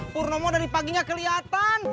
pur ngomong dari paginya kelihatan